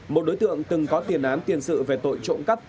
một đối tượng từng có tiền án tiền sự về tội trộn cắt